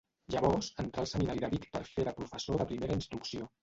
Llavors entrà al Seminari de Vic per fer de professor de primera instrucció.